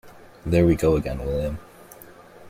There we go again, William!